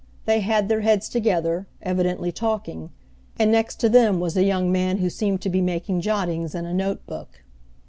They had their heads together, evidently talking; and next to them was a young man who seemed to be making jottings in a note book.